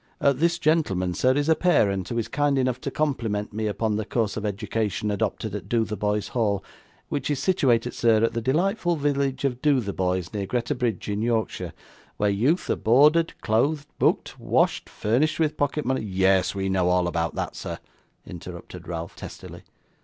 'This gentleman, sir, is a parent who is kind enough to compliment me upon the course of education adopted at Dotheboys Hall, which is situated, sir, at the delightful village of Dotheboys, near Greta Bridge in Yorkshire, where youth are boarded, clothed, booked, washed, furnished with pocket money ' 'Yes, we know all about that, sir,' interrupted Ralph, testily.